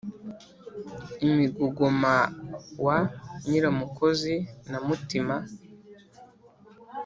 i mugogoma wa nyiramukozi na mutima